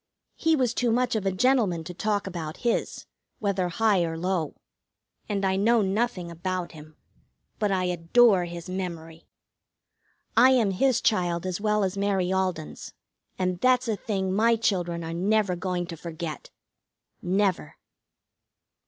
He was too much of a gentleman to talk about his, whether high or low, and I know nothing about him. But I adore his memory! I am his child as well as Mary Alden's, and that's a thing my children are never going to forget. Never.